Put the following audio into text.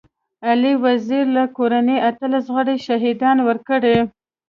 علي وزير له کورنۍ اتلس غړي شهيدان ورکړي.